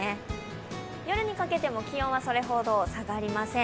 夜にかけても気温はそれほど下がりません。